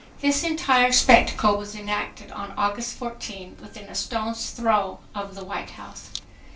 This entire spectacle was enacted on August 14, within a stone's throw of the White House.